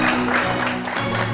bisaings kebenaran bosano